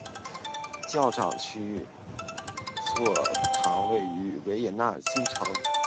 教长区座堂位于维也纳新城。